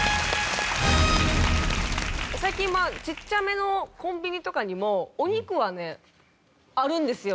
最近ちっちゃめのコンビニとかにもお肉はねあるんですよ。